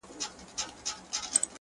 • زما له ملا څخه په دې بد راځي؛